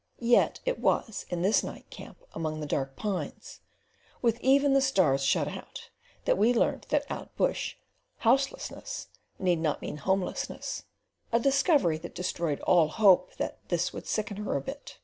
Yet it was in this night camp among the dark pines, with even the stars shut out, that we learnt that out bush "Houselessness" need not mean "Homelessness"—a discovery that destroyed all hope that "this would sicken her a bit."